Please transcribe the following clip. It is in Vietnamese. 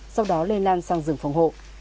sau đó lên lan sang rừng phòng hộ